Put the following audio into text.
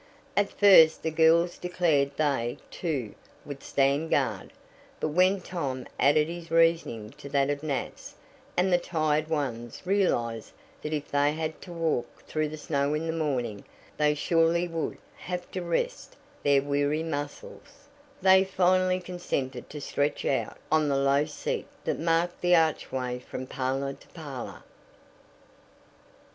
At first the girls declared they, too, would stand guard, but when Tom added his reasoning to that of Nat's and the tired ones realised that if they had to walk through the snow in the morning they surely would have to rest their weary muscles, they finally consented to "stretch out" on the low seat that marked the archway from parlor to parlor.